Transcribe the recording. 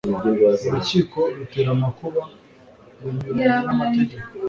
urukiko rutera amakuba runyuranya n'amategeko